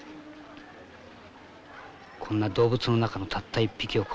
こんな動物の中のたった一匹を殺したことが